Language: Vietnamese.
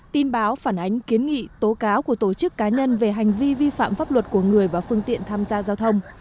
tin báo phản ánh kiến nghị tố cáo của tổ chức cá nhân về hành vi vi phạm pháp luật của người và phương tiện tham gia giao thông